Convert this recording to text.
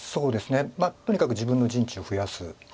とにかく自分の陣地を増やす。